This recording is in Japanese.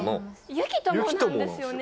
ゆきともなんですよね